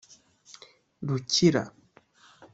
Rukira